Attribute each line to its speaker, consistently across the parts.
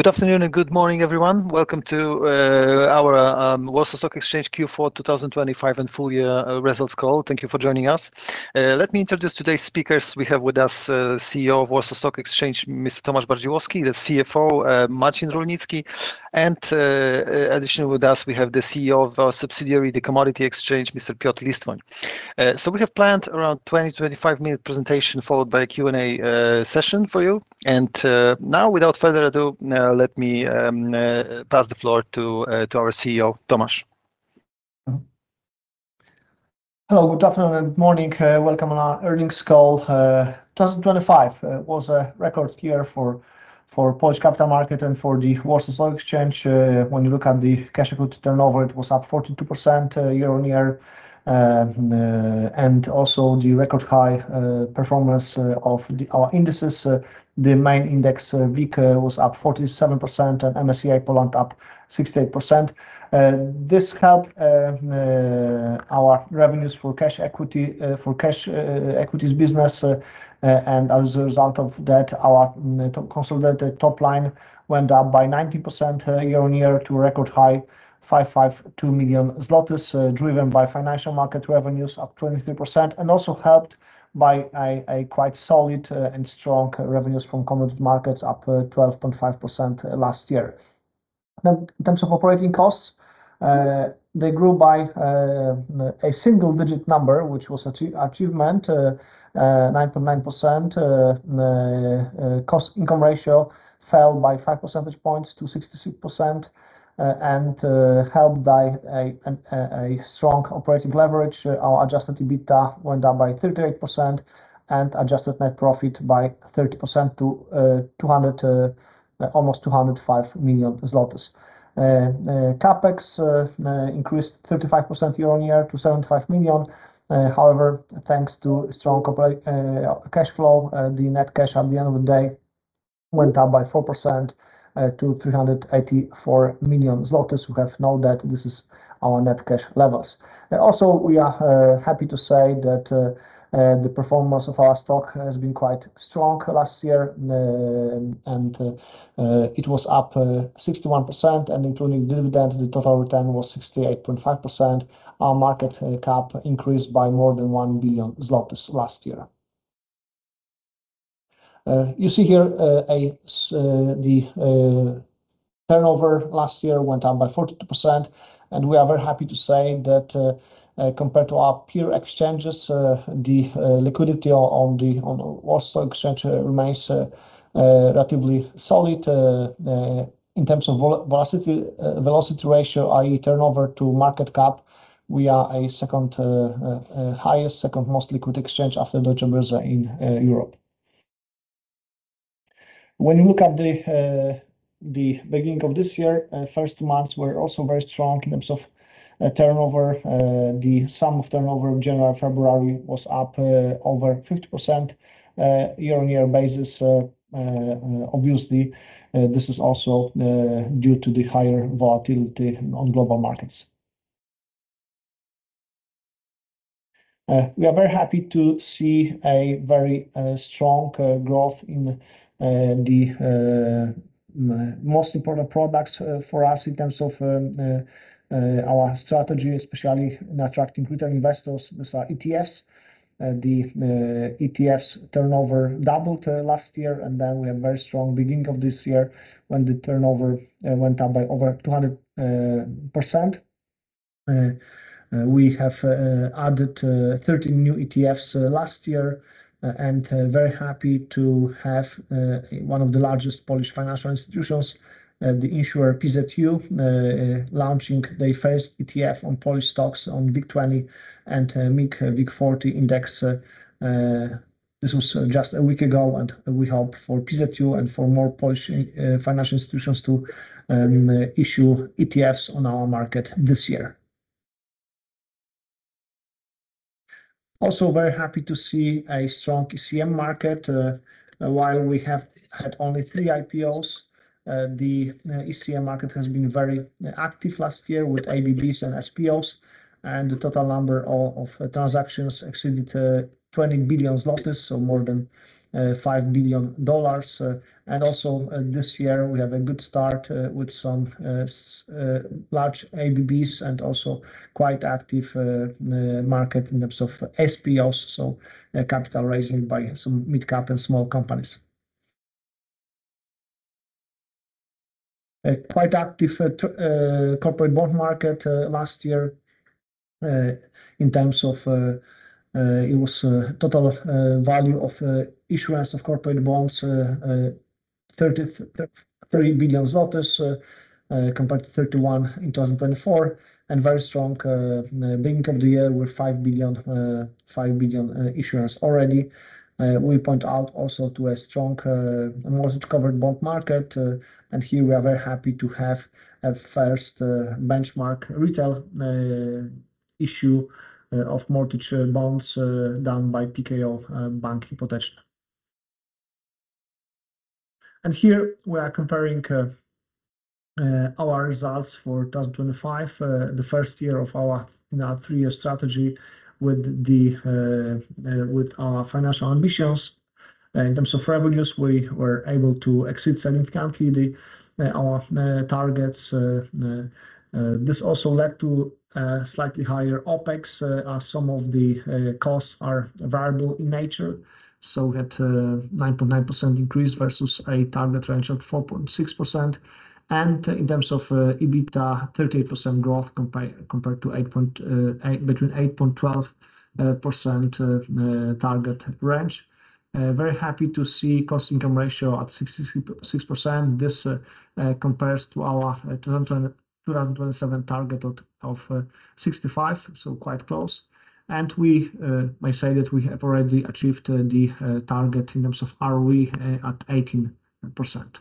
Speaker 1: Good afternoon and good morning, everyone. Welcome to our Warsaw Stock Exchange Q4 2025 and Full-Year Results Call. Thank you for joining us. Let me introduce today's speakers. We have with us CEO of Warsaw Stock Exchange, Mr. Tomasz Bardziłowski, the CFO, Marcin Rulnicki, and additionally with us, we have the CEO of our subsidiary, the Commodity Exchange, Mr. Piotr Listwoń. We have planned around 20-25 minute presentation, followed by a Q&A session for you. Now, without further ado, let me pass the floor to our CEO, Tomasz.
Speaker 2: Hello, good afternoon and good morning. Welcome on our earnings call. 2025 was a record year for Polish capital market and for the Warsaw Stock Exchange. When you look at the cash equity turnover, it was up 42% year-on-year and also the record high performance of our indices. The main index WIG was up 47% and MSCI Poland up 68%. This helped our revenues for cash equity for Cash Equities business. As a result of that, our consolidated top line went up by 90% year-on-year to a record high 552 million zlotys, driven by Financial Market revenues up 23%, and also helped by quite solid and strong revenues from Commodity Markets, up 12.5% last year. In terms of operating costs, they grew by a single-digit number, which was an achievement, 9.9%. The cost/income ratio fell by 5 percentage points to 66%, and helped by a strong operating leverage. Our adjusted EBITDA went up by 38% and adjusted net profit by 30% to almost 205 million zlotys. CapEx increased 35% year-on-year to 75 million. However, thanks to strong cash flow, the net cash at the end of the day went up by 4% to 384 million zlotys. You can now see that this is our net cash level. Also, we are happy to say that the performance of our stock has been quite strong last year. It was up 61%, and including dividend, the total return was 68.5%. Our market cap increased by more than 1 billion zlotys last year. You see here the turnover last year went up by 42%, and we are very happy to say that compared to our peer exchanges, the liquidity on the Warsaw Exchange remains relatively solid. In terms of velocity ratio, i.e., turnover-to-market cap, we are the second most liquid exchange after Deutsche Börse in Europe. When you look at the beginning of this year, first months were also very strong in terms of turnover. The sum of turnover in January and February was up over 50% year-over-year. Obviously, this is also due to the higher volatility on global markets. We are very happy to see a very strong growth in the most important products for us in terms of our strategy, especially in attracting retail investors. These are ETFs. The ETFs turnover doubled last year, and then we have very strong beginning of this year when the turnover went up by over 200%. We have added 13 new ETFs last year, and very happy to have one of the largest Polish financial institutions, the issuer PZU, launching their first ETF on Polish stocks on WIG20 and WIG40 Index. This was just a week ago, and we hope for PZU and for more Polish financial institutions to issue ETFs on our market this year. Also, very happy to see a strong ECM market. While we have had only three IPOs, the ECM market has been very active last year with ABBs and SPOs, and the total number of transactions exceeded 20 billion, so more than $5 billion. Also this year, we have a good start with some large ABBs and also quite active market in terms of SPOs, so capital raising by some mid-cap and small companies. A quite active corporate bond market last year in terms of it was total value of issuance of corporate bonds 30 billion zlotys compared to 31 billion in 2024. Very strong beginning of the year with 5 billion issuance already. We point out also to a strong mortgage-covered bond market, and here we are very happy to have a first benchmark retail issue of mortgage bonds done by PKO Bank Hipoteczny. Here we are comparing our results for 2025, the first year of our three-year strategy with our financial ambitions. In terms of revenues, we were able to exceed significantly our targets. This also led to slightly higher OpEx, as some of the costs are variable in nature. We had a 9.9% increase versus a target range of 4.6%. In terms of EBITDA, 38% growth compared to between 8%-12% target range. Very happy to see cost-to-income ratio at 66%. This compares to our 2027 target of 65%, so quite close. We may say that we have already achieved the target in terms of ROE at 18%.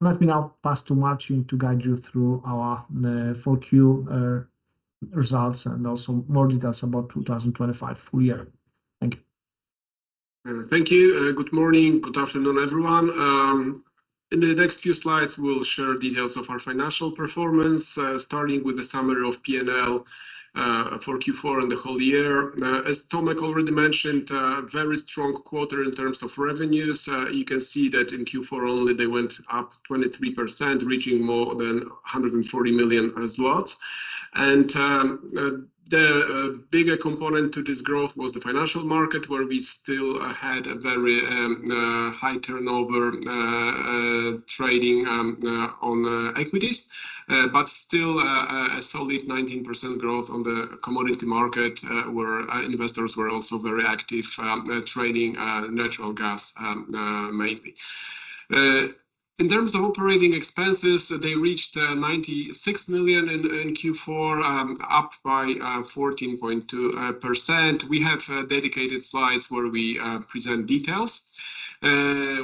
Speaker 2: Let me now pass to Marcin to guide you through our 4Q results and also more details about 2025 full year. Thank you.
Speaker 3: Thank you. Good morning, good afternoon, everyone. In the next few slides, we'll share details of our financial performance, starting with the summary of P&L for Q4 and the whole year. As Tomek already mentioned, a very strong quarter in terms of revenues. You can see that in Q4 only they went up 23%, reaching more than 140 million. The bigger component to this growth was the Financial Market, where we still had a very high turnover trading on equities. But still, a solid 19% growth on the Commodity Market, where investors were also very active trading natural gas mainly. In terms of operating expenses, they reached 96 million in Q4, up by 14.2%. We have dedicated slides where we present details.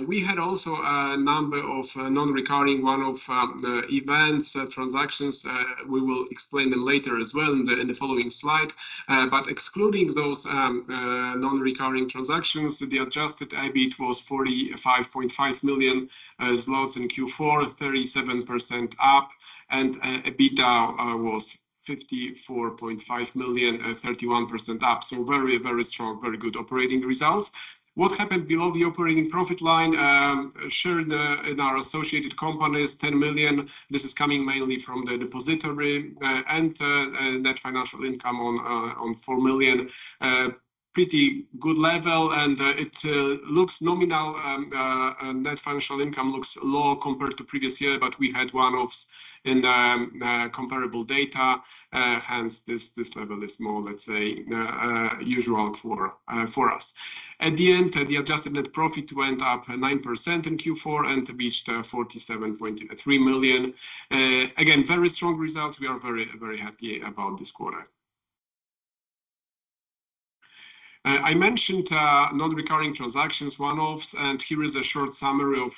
Speaker 3: We had also a number of non-recurring one-off events, transactions. We will explain them later as well in the following slide. Excluding those non-recurring transactions, the adjusted EBIT was 45.5 million zlotys in Q4, 37% up, and EBITDA was 54.5 million, 31% up. Very, very strong, very good operating results. What happened below the operating profit line, share in our associated companies, 10 million. This is coming mainly from the depository, and net financial income of 4 million. Pretty good level, and it looks normal. Net financial income looks low compared to previous year, but we had one-offs in the comparable data, hence this level is more, let's say, for us. At the end, the adjusted net profit went up 9% in Q4 and reached 47.3 million. Again, very strong results. We are very, very happy about this quarter. I mentioned non-recurring transactions one-offs, and here is a short summary of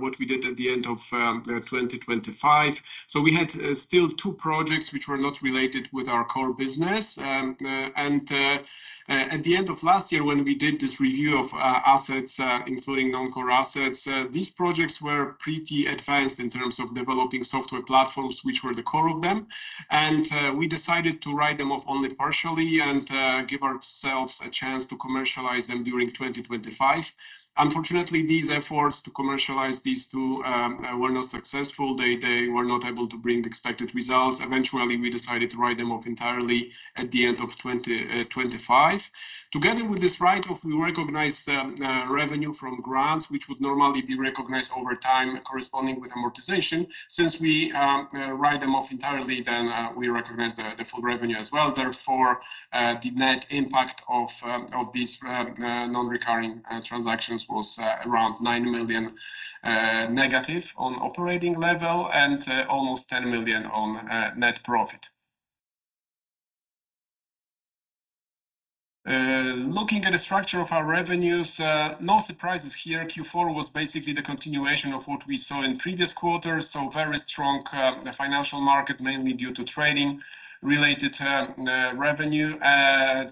Speaker 3: what we did at the end of 2025. We had still two projects which were not related with our core business. At the end of last year, when we did this review of assets, including non-core assets, these projects were pretty advanced in terms of developing software platforms, which were the core of them. We decided to write them off only partially and give ourselves a chance to commercialize them during 2025. Unfortunately, these efforts to commercialize these two were not successful. They were not able to bring the expected results. Eventually, we decided to write them off entirely at the end of 2025. Together with this write-off, we recognized revenue from grants, which would normally be recognized over time corresponding with amortization. Since we write them off entirely, we recognize the full revenue as well. Therefore, the net impact of these non-recurring transactions was around -9 million on operating level and almost 10 million on net profit. Looking at the structure of our revenues, no surprises here. Q4 was basically the continuation of what we saw in previous quarters. Very strong Financial Market, mainly due to trading related revenue,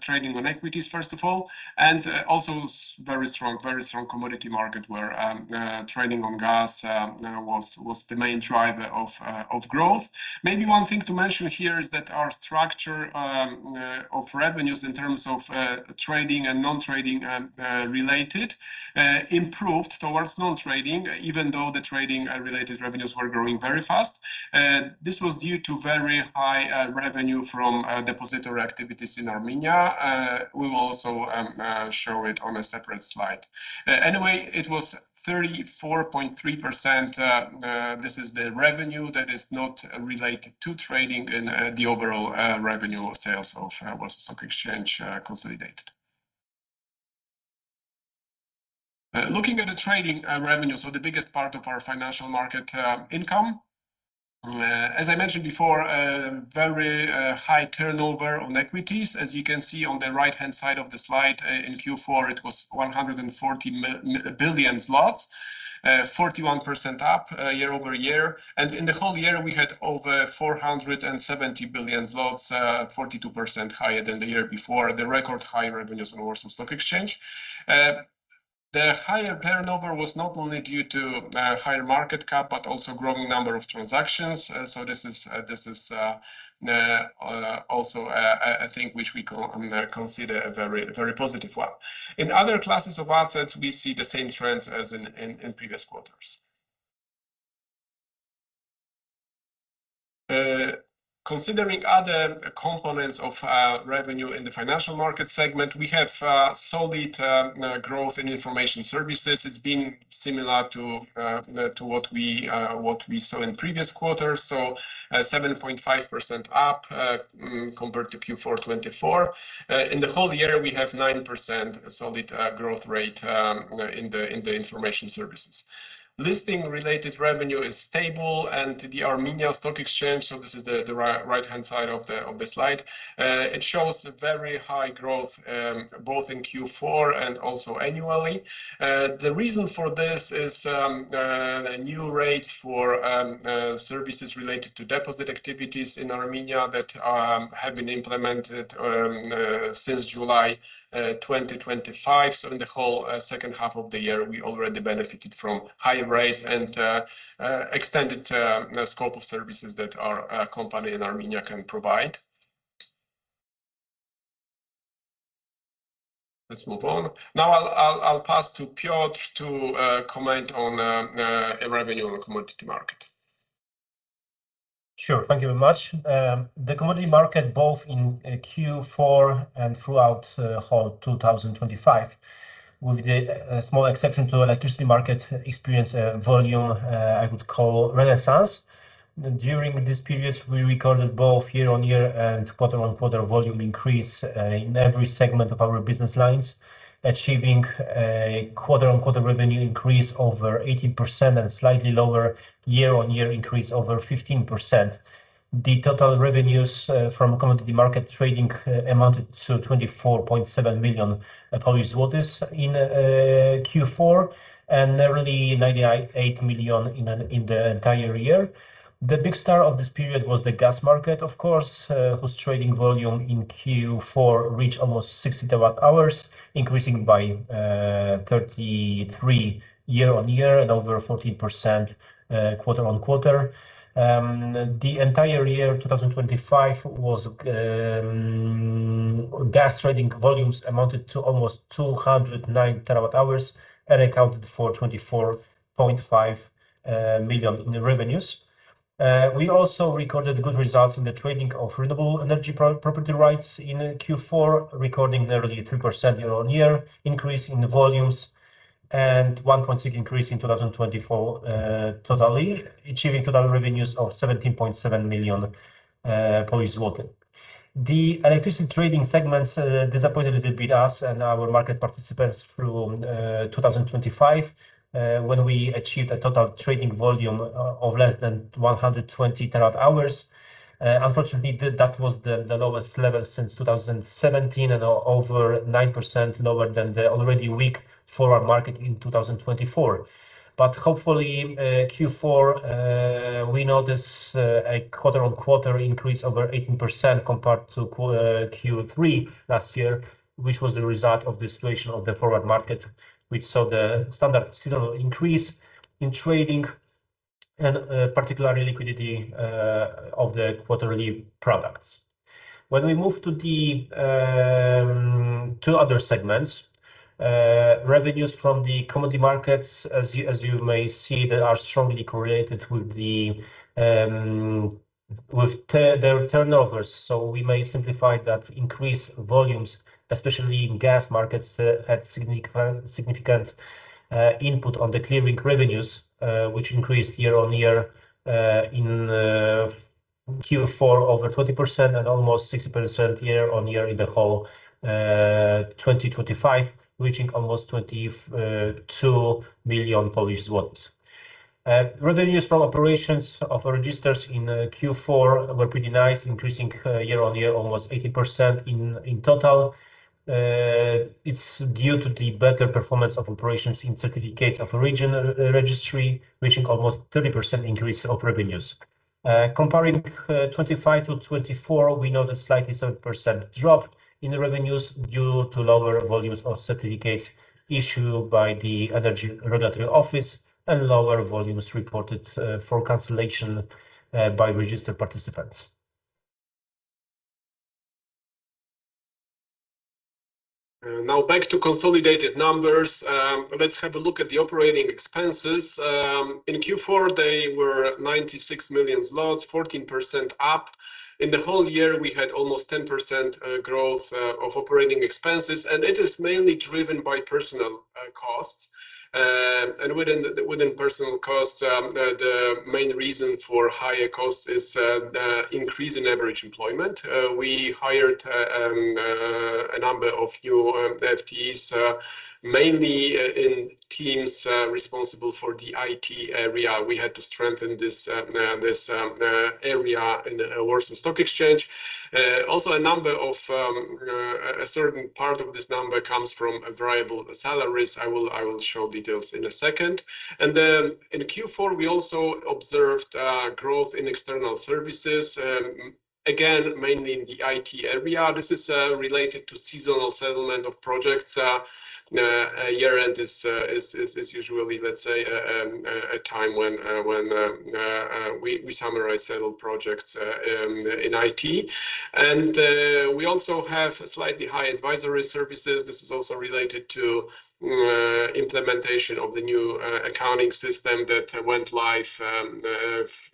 Speaker 3: trading on equities, first of all, and also very strong Commodity Market where trading on gas was the main driver of growth. Maybe one thing to mention here is that our structure of revenues in terms of trading and non-trading related improved towards non-trading, even though the trading related revenues were growing very fast. This was due to very high revenue from depository activities in Armenia. We will also show it on a separate slide. Anyway, it was 34.3%. This is the revenue that is not related to trading in the overall revenue sales of Warsaw Stock Exchange, consolidated. Looking at the trading revenue, so the biggest part of our Financial Market income, as I mentioned before, a very high turnover on equities. As you can see on the right-hand side of the slide, in Q4, it was 140 billion zlotys, 41% up year-over-year. In the whole year, we had over 470 billion zlotys, 42% higher than the year before, the record high revenues on Warsaw Stock Exchange. The higher turnover was not only due to higher market cap, but also growing number of transactions. This is also, I think, which we can consider a very positive one. In other classes of assets, we see the same trends as in previous quarters. Considering other components of our revenue in the Financial Market segment, we have solid growth in Information Services. It's been similar to what we saw in previous quarters, 7.5% up compared to Q4 2024. In the whole year, we have 9% solid growth rate in the Information Services. Listing-related revenue is stable and the Armenia Stock Exchange, so this is the right-hand side of the slide, it shows a very high growth both in Q4 and also annually. The reason for this is new rates for services related to deposit activities in Armenia that have been implemented since July 2025. In the whole second half of the year, we already benefited from higher rates and extended scope of services that our company in Armenia can provide. Let's move on. Now I'll pass to Piotr to comment on revenue on Commodity Market.
Speaker 4: Sure. Thank you very much. The Commodity Market, both in Q4 and throughout whole 2025, with the small exception to electricity market, experienced a volume, I would call renaissance. During these periods, we recorded both year-on-year and quarter-on-quarter volume increase in every segment of our business lines, achieving a quarter-on-quarter revenue increase over 18% and slightly lower year-on-year increase over 15%. The total revenues from Commodity Market trading amounted to 24.7 million Polish zlotys in Q4 and nearly 98 million in the entire year. The big star of this period was the gas market, of course, whose trading volume in Q4 reached almost 60 TWh, increasing by 33% year-on-year and over 14% quarter-on-quarter. The entire year 2025 gas trading volumes amounted to almost 209 TWh and accounted for 24.5 million in the revenues. We also recorded good results in the trading of renewable energy property rights in Q4, recording nearly 3% year-on-year increase in the volumes and 1.6% increase in 2024, totally, achieving total revenues of 17.7 million Polish zloty. The Electricity Trading segments disappointed a bit us and our market participants through 2025, when we achieved a total trading volume of less than 120 TWh. Unfortunately, that was the lowest level since 2017 and over 9% lower than the already weak forward market in 2024. Hopefully, Q4 we notice a quarter-on-quarter increase over 18% compared to Q3 last year, which was the result of the situation of the forward market, which saw the standard seasonal increase in trading and particularly liquidity of the quarterly products. When we move to the two other segments, revenues from the Commodity Markets, as you may see, they are strongly correlated with the turnovers. So we may simplify that increased volumes, especially in gas markets, had significant input on the clearing revenues, which increased year-on-year in Q4 over 20% and almost 60% year-on-year in the whole 2025, reaching almost 2 million Polish zloty. Revenues from operations of registers in Q4 were pretty nice, increasing year-on-year almost 80% in total. It's due to the better performance of operations in certificates of regional registry, reaching almost 30% increase of revenues. Comparing 2025 to 2024, we know that slightly 7% drop in the revenues due to lower volumes of certificates issued by the Energy Regulatory Office and lower volumes reported for cancellation by registered participants.
Speaker 3: Now back to consolidated numbers. Let's have a look at the operating expenses. In Q4, they were 96 million zlotys, 14% up. In the whole year, we had almost 10% growth of operating expenses, and it is mainly driven by personal costs. Within personal costs, the main reason for higher costs is increase in average employment. We hired a number of new FTEs, mainly in teams responsible for the IT area. We had to strengthen this area in the Warsaw Stock Exchange. Also, a certain part of this number comes from variable salaries. I will show details in a second. In Q4, we also observed growth in external services, again, mainly in the IT area. This is related to seasonal settlement of projects. The year-end is usually, let's say, a time when we summarize several projects in IT. We also have slightly higher advisory services. This is also related to implementation of the new accounting system that went live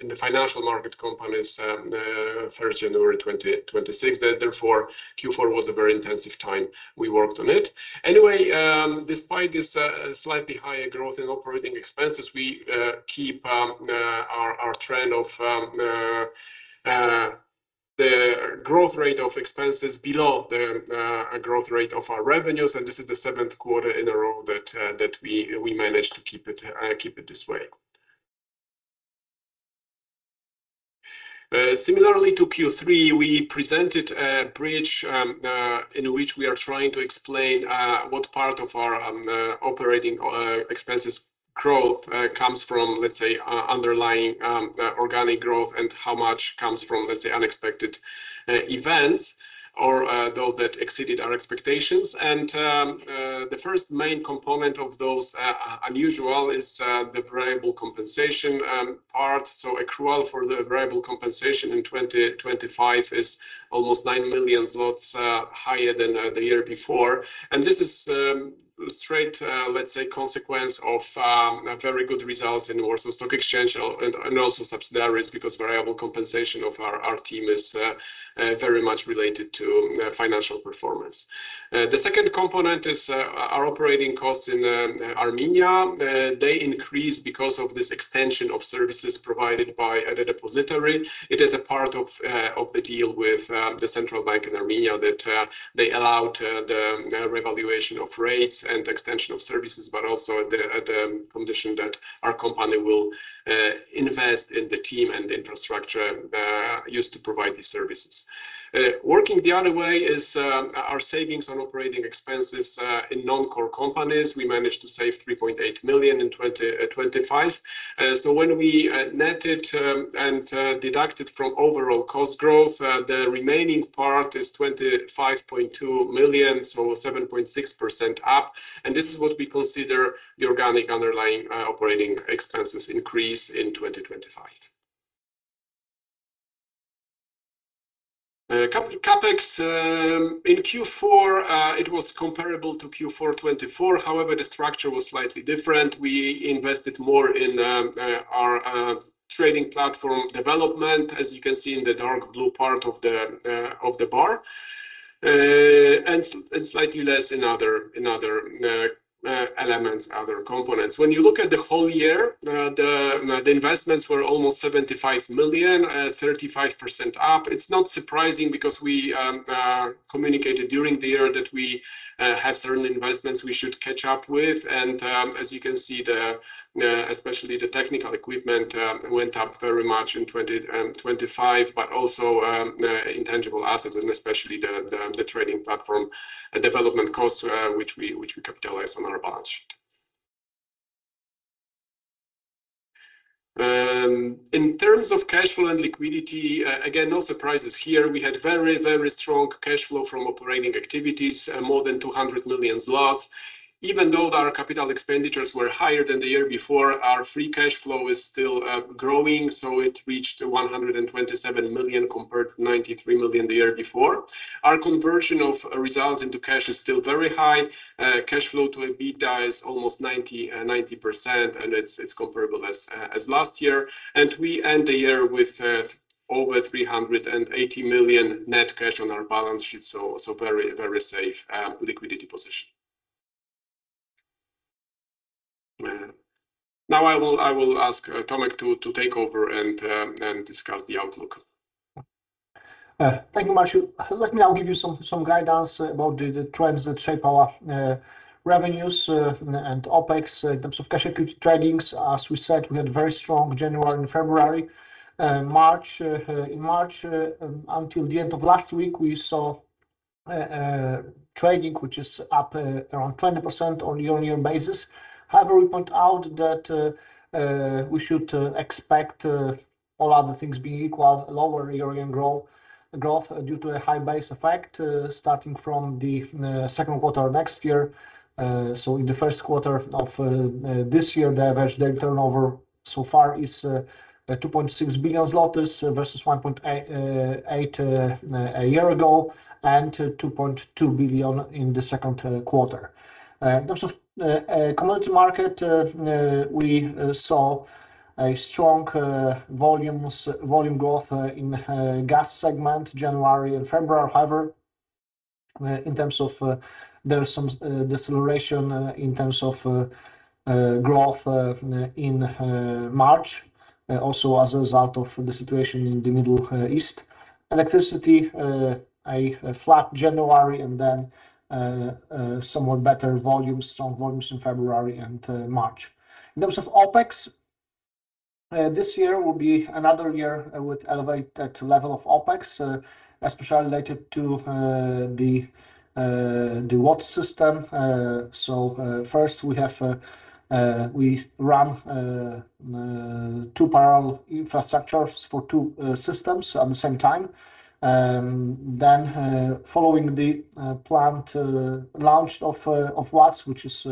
Speaker 3: in the financial market companies January 1st, 2026. Therefore, Q4 was a very intensive time. We worked on it. Anyway, despite this slightly higher growth in operating expenses, we keep our trend of the growth rate of expenses below the growth rate of our revenues, and this is the seventh quarter in a row that we managed to keep it this way. Similarly to Q3, we presented a bridge in which we are trying to explain what part of our operating expenses growth comes from, let's say, underlying organic growth and how much comes from, let's say, unexpected events or those that exceeded our expectations. The first main component of those unusual is the variable compensation part. Accrual for the variable compensation in 2025 is almost 9 million zlotys higher than the year before. This is straight, let's say, consequence of very good results in Warsaw Stock Exchange and also subsidiaries because variable compensation of our team is very much related to financial performance. The second component is our operating costs in Armenia. They increased because of this extension of services provided by the depository. It is a part of the deal with the Central Bank of Armenia that they allowed the revaluation of rates and extension of services, but also the condition that our company will invest in the team and infrastructure used to provide these services. Working the other way is our savings on operating expenses in non-core companies. We managed to save 3.8 million in 2025. So when we netted and deducted from overall cost growth, the remaining part is 25.2 million, so 7.6% up. This is what we consider the organic underlying operating expenses increase in 2025. CapEx. In Q4, it was comparable to Q4 2024. However, the structure was slightly different. We invested more in our trading platform development, as you can see in the dark blue part of the bar and slightly less in other elements, other components. When you look at the whole year, the investments were almost 75 million, 35% up. It's not surprising because we communicated during the year that we have certain investments we should catch up with. As you can see, especially the technical equipment went up very much in 2025, but also intangible assets and especially the trading platform development costs, which we capitalize on our balance sheet. In terms of cash flow and liquidity, again, no surprises here. We had very strong cash flow from operating activities, more than 200 million zlotys. Even though our capital expenditures were higher than the year before, our free cash flow is still growing. It reached 127 million compared to 93 million the year before. Our conversion of results into cash is still very high. Cash flow-to-EBITDA is almost 90%, and it's comparable to last year. We end the year with over 380 million net cash on our balance sheet. Very safe liquidity position. Now I will ask Tomek to take over and discuss the outlook.
Speaker 2: Thank you, Marcin. Let me now give you some guidance about the trends that shape our revenues and OpEx in terms of cash equity tradings. As we said, we had very strong January and February. In March until the end of last week, we saw trading which is up around 20% on year-on-year basis. However, we point out that we should expect, all other things being equal, lower year-on-year growth due to a high base effect starting from the second quarter next year. In the first quarter of this year, the average daily turnover so far is 2.6 billion zlotys versus 1.88 billion a year ago, and 2.2 billion in the second quarter. In terms of Commodity Market, we saw a strong volume growth in Gas segment January and February. However, there's some deceleration in terms of growth in March as a result of the situation in the Middle East. Electricity, a flat January and then somewhat better volumes, strong volumes in February and March. In terms of OpEx, this year will be another year with elevated level of OpEx, especially related to the WATS system. First we run two parallel infrastructures for two systems at the same time. Following the planned launch of WATS, which is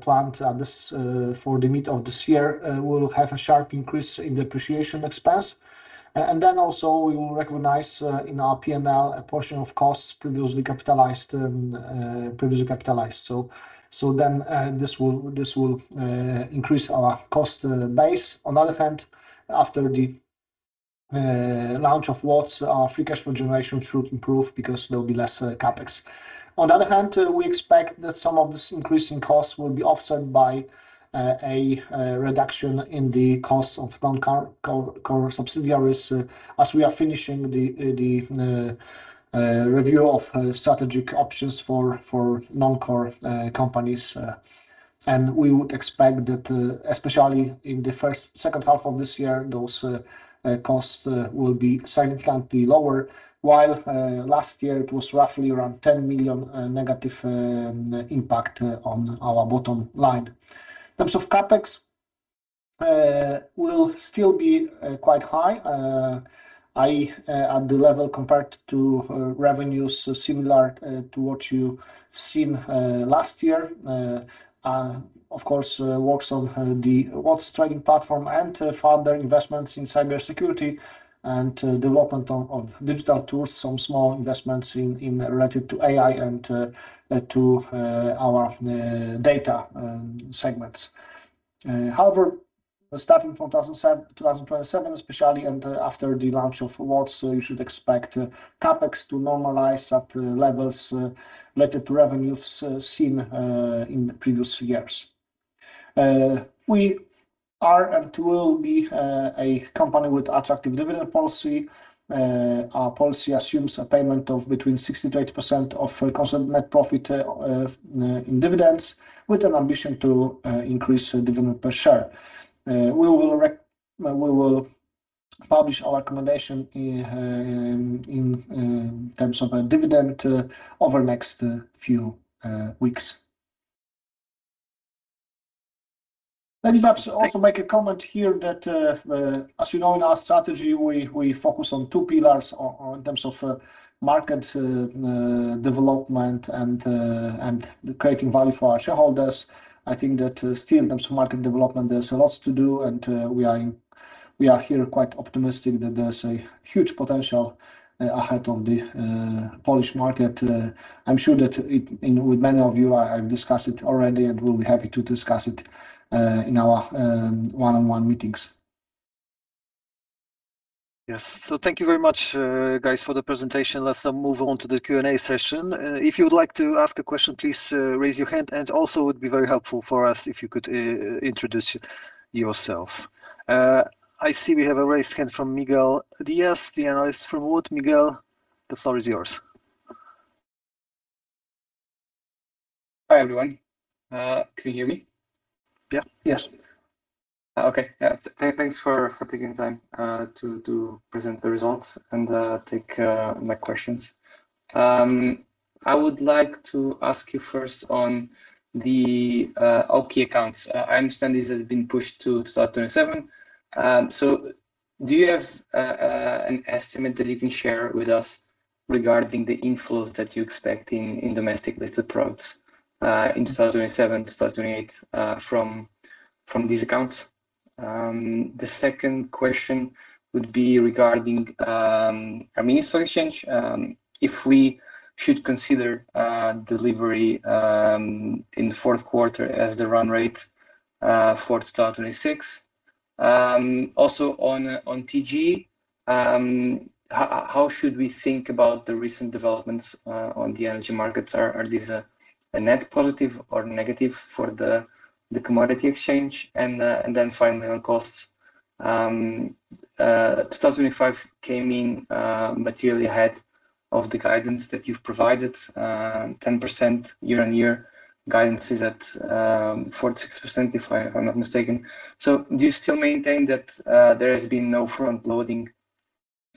Speaker 2: planned for the mid of this year, we'll have a sharp increase in depreciation expense. We will recognize in our P&L a portion of costs previously capitalized. This will increase our cost base. On the other hand, after the launch of WATS, our free cash flow generation should improve because there'll be less CapEx. On the other hand, we expect that some of this increase in costs will be offset by a reduction in the costs of non-core subsidiaries as we are finishing the review of strategic options for non-core companies. We would expect that, especially in the second half of this year, those costs will be significantly lower, while last year it was roughly around 10 million negative impact on our bottom line. In terms of CapEx, will still be quite high. i.e., at the level compared to revenues similar to what you've seen last year. Of course, works on the WATS trading platform and further investments in cybersecurity and development on digital tools, some small investments in related to AI and to our Data segments. However, starting 2027 especially, and after the launch of WATS, you should expect CapEx to normalize at levels related to revenues seen in the previous years. We are and will be a company with attractive dividend policy. Our policy assumes a payment of between 60%-80% of constant net profit in dividends, with an ambition to increase dividend per share. We will publish our recommendation in terms of a dividend over next few weeks. Let me perhaps also make a comment here that, as you know, in our strategy, we focus on two pillars in terms of market development and creating value for our shareholders. I think that still in terms of market development, there's lots to do, and we are here quite optimistic that there's a huge potential ahead of the Polish market. I'm sure that it and with many of you, I've discussed it already, and we'll be happy to discuss it in our one-on-one meetings.
Speaker 1: Thank you very much, guys, for the presentation. Let's move on to the Q&A session. If you would like to ask a question, please raise your hand, and also it would be very helpful for us if you could introduce yourself. I see we have a raised hand from Miguel Dias, the analyst from WOOD. Miguel, the floor is yours.
Speaker 5: Hi, everyone. Can you hear me?
Speaker 1: Yeah. Yes.
Speaker 5: Thanks for taking the time to present the results and take my questions. I would like to ask you first on the OKI accounts. I understand this has been pushed to start 2027. Do you have an estimate that you can share with us regarding the inflows that you expect in domestic-listed products in 2027 to 2028 from these accounts? The second question would be regarding Armenia Stock Exchange, if we should consider delivery in the fourth quarter as the run rate for 2026. Also on TGE, how should we think about the recent developments on the energy markets? Are these a net positive or negative for the Commodity Exchange? Finally on costs, 2025 came in materially ahead of the guidance that you've provided, 10% year-on-year. Guidance is at 46%, if I'm not mistaken. Do you still maintain that there has been no frontloading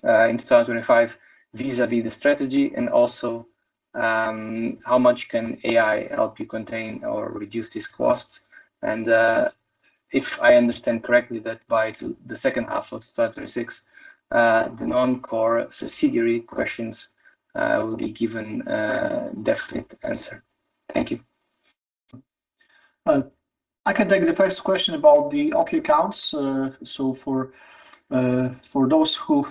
Speaker 5: in 2025 vis-à-vis the strategy? Also, how much can AI help you contain or reduce these costs? If I understand correctly that by the second half of 2026, the non-core subsidiary questions will be given a definite answer. Thank you.
Speaker 2: I can take the first question about the OKI accounts. For those who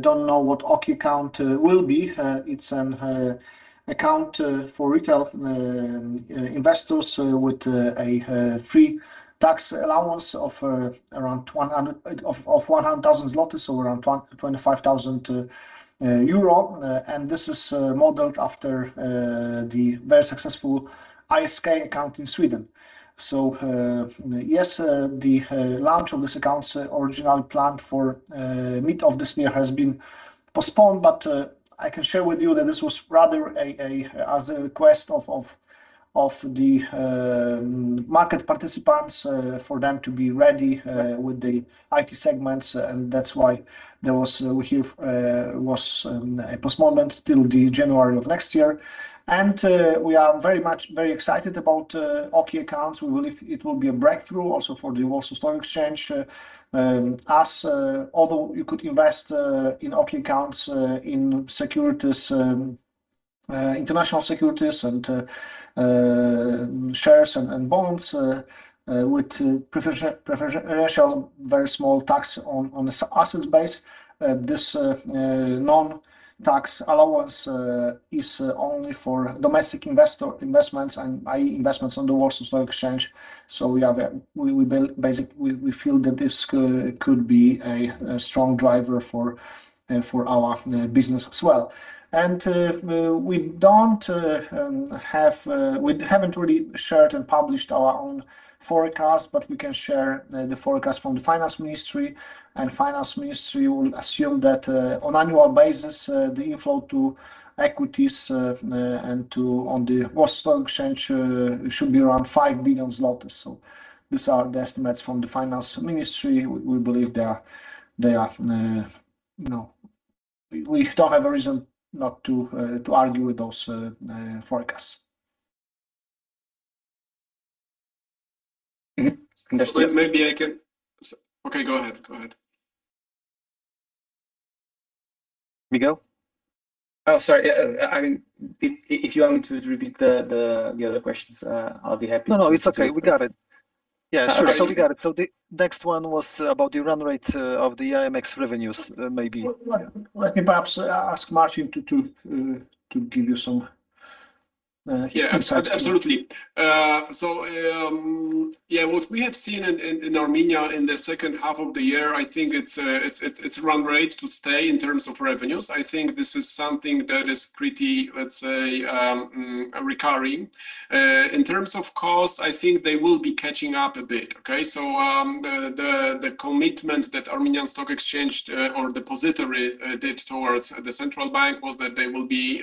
Speaker 2: don't know what OKI account will be, it's an account for retail investors with a free tax allowance of around 100,000 zlotys, so around 25,000 euro. This is modeled after the very successful ISK account in Sweden. Yes, the launch of this account is original plan for mid this year has been postponed, but I can share with you that this was rather a request of the market participants for them to be ready with the IT segments, and that's why there was a postponement till January of next year. We are very excited about OKI accounts. We believe it will be a breakthrough also for the Warsaw Stock Exchange. Although you could invest in OKI accounts in securities, International securities and shares and bonds with preferential very small tax on the assets base, this non-tax allowance is only for domestic investor investments and, i.e., investments on the Warsaw Stock Exchange. We feel that this could be a strong driver for our business as well. We haven't really shared and published our own forecast, but we can share the forecast from the Ministry of Finance. The Ministry of Finance will assume that, on annual basis, the inflow to equities on the Warsaw Stock Exchange should be around 5 billion zlotys. These are the estimates from the Ministry of Finance. We believe they are. We don't have a reason not to argue with those forecasts.
Speaker 3: Maybe I can-
Speaker 2: Konstantin?
Speaker 3: Okay, go ahead.
Speaker 2: Miguel?
Speaker 5: Oh, sorry. Yeah. I mean, if you want me to repeat the other questions, I'll be happy to.
Speaker 2: No, no, it's okay. We got it.
Speaker 5: Yeah, sure.
Speaker 2: We got it. The next one was about the run rate of the AMX revenues, maybe. Well, let me perhaps ask Marcin to give you some insights.
Speaker 3: Absolutely. What we have seen in Armenia in the second half of the year, I think it's run rate to stay in terms of revenues. I think this is something that is pretty, let's say, recurring. In terms of costs, I think they will be catching up a bit, okay? The commitment that Armenia Stock Exchange or the depository did towards the Central Bank was that they will be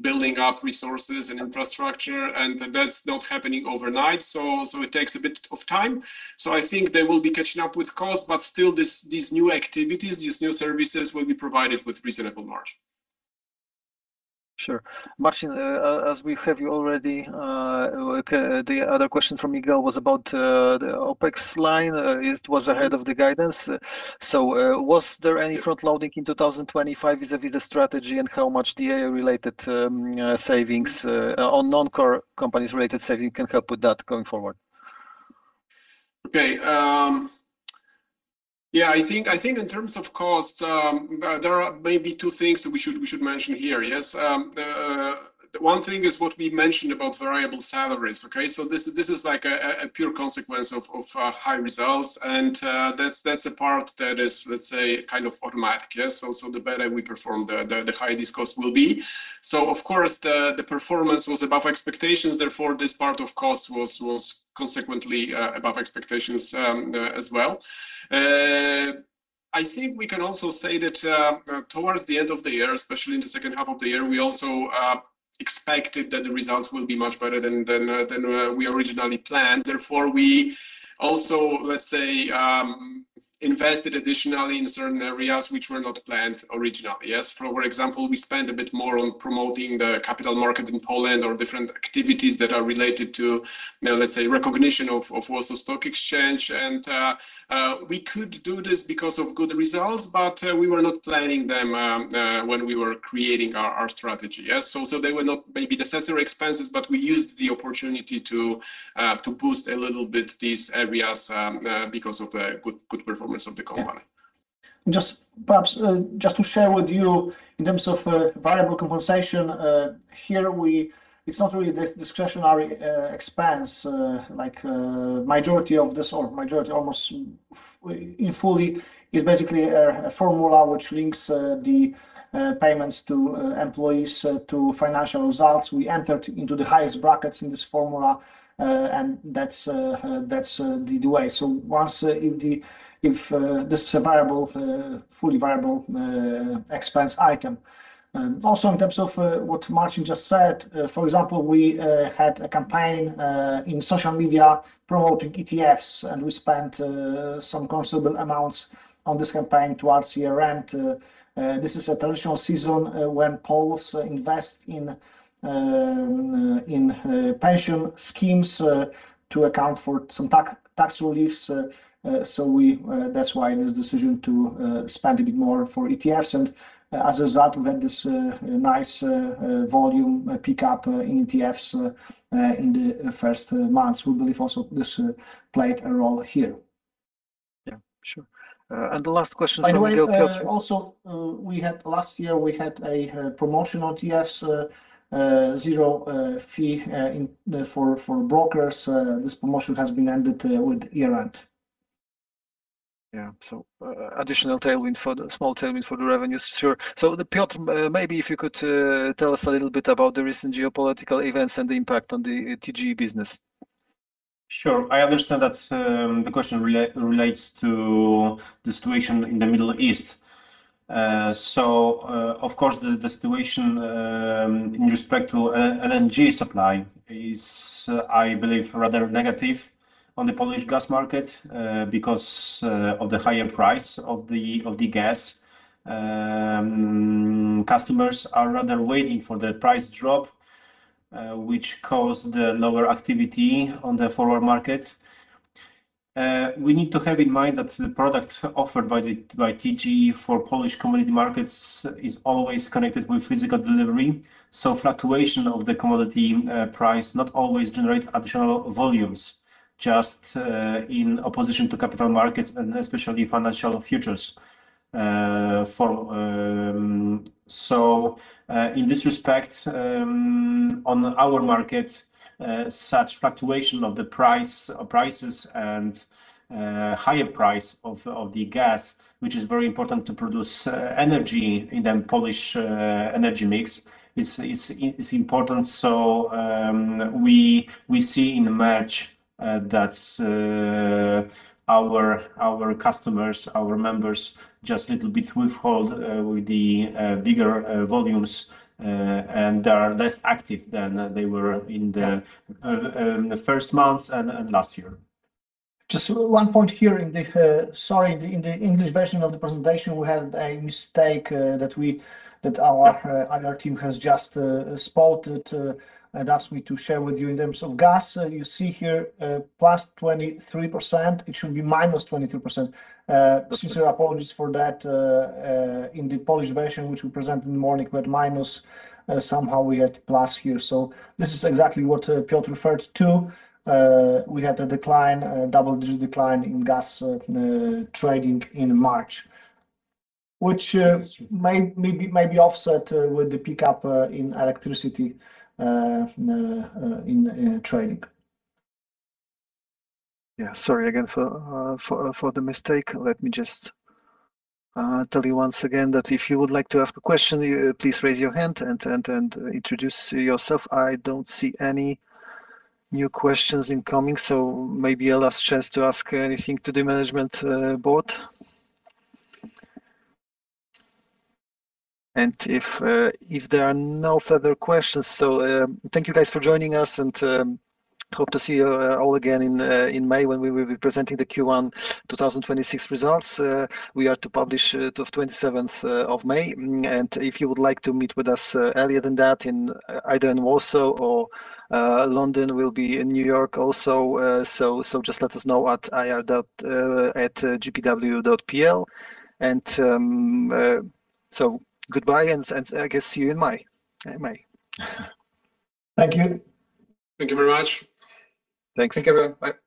Speaker 3: building up resources and infrastructure, and that's not happening overnight, so it takes a bit of time. I think they will be catching up with costs, but still these new activities, these new services will be provided with reasonable margin.
Speaker 2: Sure. Marcin, as we have you already, okay, the other question from Miguel was about the OpEx line. It was ahead of the guidance. Was there any frontloading in 2025 vis-à-vis the strategy and how much AI-related savings or non-core companies related saving can help with that going forward?
Speaker 3: Okay. I think in terms of costs, there are maybe two things that we should mention here. One thing is what we mentioned about variable salaries, okay? This is like a pure consequence of high results, and that's a part that is, let's say, kind of automatic. The better we perform, the higher this cost will be. Of course the performance was above expectations, therefore this part of cost was consequently above expectations as well. I think we can also say that towards the end of the year, especially in the second half of the year, we also expected that the results will be much better than we originally planned. Therefore, we also, let's say, invested additionally in certain areas which were not planned originally. For example, we spent a bit more on promoting the capital market in Poland or different activities that are related to, you know, let's say, recognition of Warsaw Stock Exchange. We could do this because of good results, but we were not planning them when we were creating our strategy. Yes. They were not maybe the necessary expenses, but we used the opportunity to boost a little bit these areas because of the good performance of the company.
Speaker 2: Just perhaps just to share with you in terms of variable compensation. It's not really this discretionary expense like majority of this or majority almost fully is basically a formula which links the payments to employees to financial results. We entered into the highest brackets in this formula and that's the way. This is a fully variable expense item. Also in terms of what Marcin just said, for example, we had a campaign in social media promoting ETFs, and we spent some considerable amounts on this campaign towards year-end. This is a traditional season when Poles invest in pension schemes to account for some tax reliefs. That's why this decision to spend a bit more for ETFs. As a result, we had this nice volume pick up in ETFs in the first months. We believe also this played a role here.
Speaker 1: Yeah, sure. The last question from-
Speaker 2: By the way, also, last year we had a promotion on ETFs, zero fee for brokers. This promotion has been ended with year-end.
Speaker 1: Yeah. Small tailwind for the revenues. Sure. Piotr, maybe if you could tell us a little bit about the recent geopolitical events and the impact on the TGE business.
Speaker 4: Sure. I understand that the question relates to the situation in the Middle East. So, of course, the situation in respect to LNG supply is, I believe, rather negative on the Polish gas market because of the higher price of the gas. Customers are rather waiting for the price drop, which caused the lower activity on the forward market. We need to have in mind that the product offered by TGE for Polish Commodity Markets is always connected with physical delivery, so fluctuation of the commodity price not always generate additional volumes, just in opposition to capital markets and especially financial futures for... In this respect, on our market, such fluctuation of the price or prices and higher price of the gas, which is very important to produce energy in the Polish energy mix, is important. We see in March that our customers, our members just little bit withhold with the bigger volumes, and they are less active than they were in the first months and last year.
Speaker 2: Just one point here. Sorry. In the English version of the presentation, we had a mistake that our IR team has just spotted and asked me to share with you. In terms of Gas, you see here, +23%, it should be -23%. Sincere apologies for that. In the Polish version, which we present in the morning, we had minus, somehow we had plus here. This is exactly what Piotr referred to. We had a decline, a double-digit decline in Gas trading in March, which
Speaker 4: That's true.
Speaker 2: May be offset with the pickup in Electricity trading.
Speaker 1: Sorry again for the mistake. Let me just tell you once again that if you would like to ask a question, please raise your hand and introduce yourself. I don't see any new questions incoming, so maybe a last chance to ask anything to the Management Board. If there are no further questions, thank you guys for joining us and hope to see you all again in May when we will be presenting the Q1 2026 results. We are to publish it on the 27th of May. If you would like to meet with us earlier than that in either Warsaw or London, we'll be in New York also. Just let us know at ir@gpw.pl. Goodbye and I guess see you in May.
Speaker 2: Thank you.
Speaker 3: Thank you very much.
Speaker 1: Thanks.
Speaker 2: Thank you, everyone. Bye.
Speaker 1: Thanks.